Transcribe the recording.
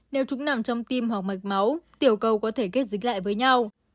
nếu chúng nằm trong tim hoặc mạch máu tiểu cầu có thể kết dịch lại với nhau